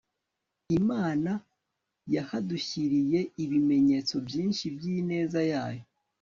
Imana yahadushyiriy ibimenyetso byinshi byineza yayo